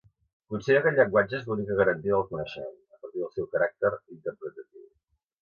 Considera que el llenguatge és l'única garantia del coneixement, a partir del seu caràcter interpretatiu.